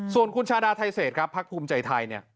ส่วนคุณชาดาไทเศษพักภูมิใจไทย